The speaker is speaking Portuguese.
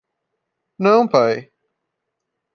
Não, pai!